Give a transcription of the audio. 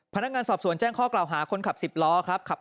พนักงานสอบสวนแจ้งข้อกล่าวหาคนขับสิบล้อครับ